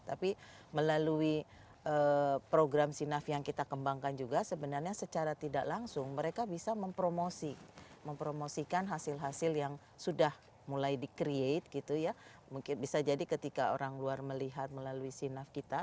tapi melalui program senaf yang kita kembangkan juga sebenarnya secara tidak langsung mereka bisa mempromosikan hasil hasil yang sudah mulai di create gitu ya mungkin bisa jadi ketika orang luar melihat melalui sinough kita